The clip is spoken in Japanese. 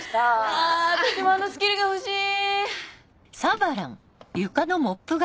あ私もあのスキルが欲しい！